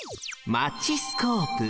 マチスコープ。